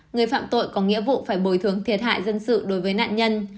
người phạm tội có nghĩa vụ phải bồi thường thiệt hại dân sự đối với nạn nhân